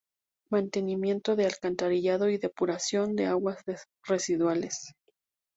Mantenimiento de alcantarillado y depuración de aguas residuales.